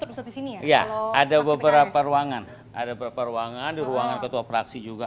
ada satu sini ya ada beberapa ruangan ada beberapa ruangan di ruangan ketua praksi juga